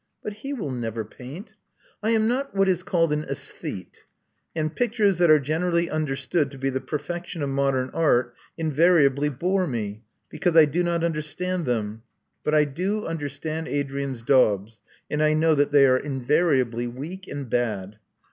But he will never paint. I am not what is called an aesthete; and pictures that are generally understood to be the perfection of modem art invariably bore me, because I do not understand them. But I do under * stand Adrian's daubs; and I know that they are invariably weak and bad.